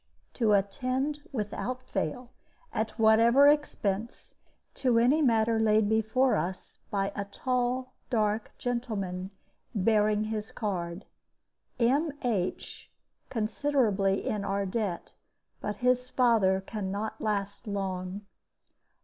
to attend without fail, at whatever expense, to any matter laid before us by a tall, dark gentleman bearing his card. M. H. considerably in our debt; but his father can not last long.